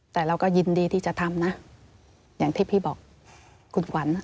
แต่เราก็ยินดีที่จะทำนะอย่างที่พี่บอกคุณขวัญ